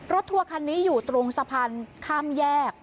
ทัวร์คันนี้อยู่ตรงสะพานข้ามแยก